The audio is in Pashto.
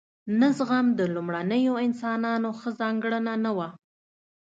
نه زغم د لومړنیو انسانانو ښه ځانګړنه نه وه.